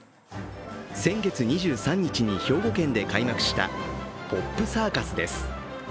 先月２３日に兵庫県で開幕したポップサーカスです。